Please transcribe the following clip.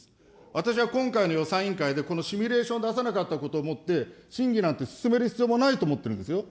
私は今回の予算委員会で、このシミュレーション出さなかったことをもって審議なんて進める必要もないと思ってるんですよ。